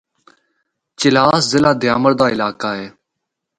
چلاس ضلع دیامر دا علاقہ ہے۔